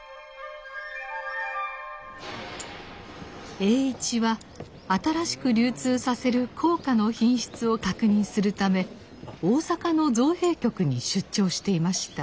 栄一は新しく流通させる硬貨の品質を確認するため大阪の造幣局に出張していました。